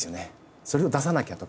それを出さなきゃとか。